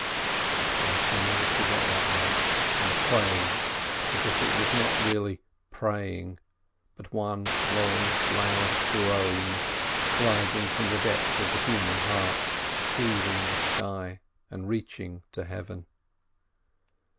I shall never forget that night and the praying, be cause it was not really praying, but one long, loud groan rising from the depth of the human heart, cleaving the sky and reaching to Heaven.